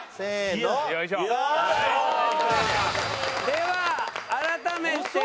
では改めて。